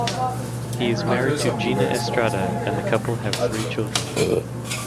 He is married to Gina Estrada and the couple have three children.